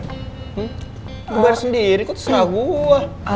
gue bayar sendiri kok terserah gue